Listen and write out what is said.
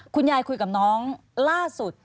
คุณยายคุยกับน้องล่าสุด